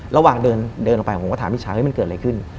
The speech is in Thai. ระหว่างเดินลงไปผมก็ถามมิชาเฮ้ยมันเกิดอะไรขึ้น